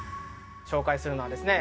紹介するのはですね